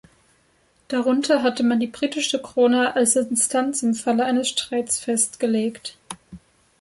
Darunter hatte man die britische Krone als Instanz im Falle eines Streits festgelegt.